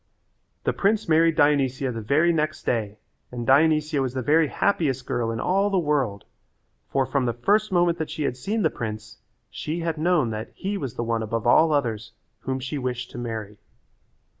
The prince married Dionysia the very next day and Dionysia was the very happiest girl in all the world, for from the first moment that she had seen the prince, she had known that he was the one above all others whom she wished to marry.